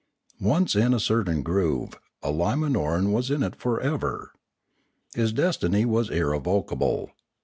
Once in a certain groove, a Limanoran was in it for ever. His destiny was irrevocable.